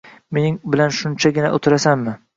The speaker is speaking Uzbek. Mening bilan shunchagina o'tirasanmi?